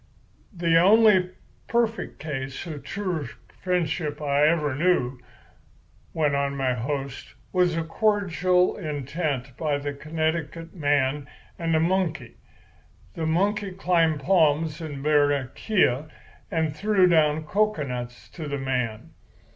"The only perfect case of true friendship I ever knew," went on my host, "was a cordial intent between a Connecticut man and a monkey. The monkey climbed palms in Barranquilla and threw down cocoanuts to the man.